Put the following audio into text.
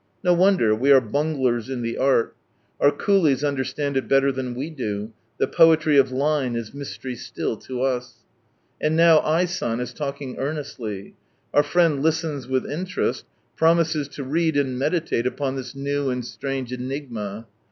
No wonder, we are bunglers in the Art ; our coohes understand it better than we do, the poetry of line is mystery still to us. And now I. San is talking earnestly. Our friend listens with interest, promises to read and meditate upon this new and strange enigma.